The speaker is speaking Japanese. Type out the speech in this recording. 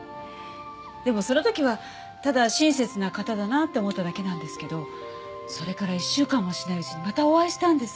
でもその時はただ親切な方だなって思っただけなんですけどそれから１週間もしないうちにまたお会いしたんです。